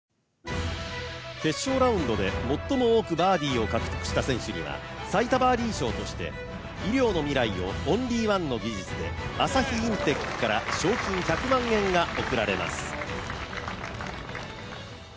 決勝ラウンドで最も多くバーディーを獲得した選手には最多バーディー賞として、医療の未来をオンリーワンの技術で、朝日インテックから賞金１００万円が贈られます。